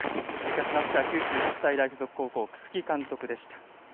勝ちました九州国際大付属高校楠城監督でした。